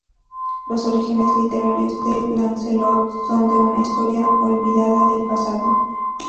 Los orígenes literarios de Lancelot son de una historia olvidada del pasado.